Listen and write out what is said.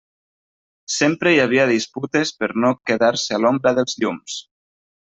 Sempre hi havia disputes per no quedar-se a l'ombra dels llums.